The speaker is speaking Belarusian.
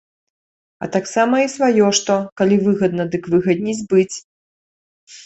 А таксама і сваё што, калі выгадна, дык выгадней збыць.